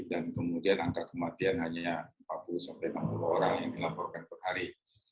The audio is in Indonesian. dan kemudian angka kematian hanya empat puluh enam puluh orang yang dilaporkan per hari